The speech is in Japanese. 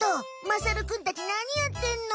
まさるくんたちなにやってんの？